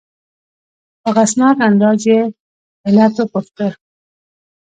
په غصناک انداز یې علت وپوښته.